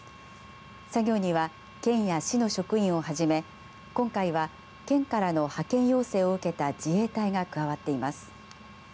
作業には、県や市の職員をはじめ今回は県からの派遣要請を受けた自衛隊が加わっています。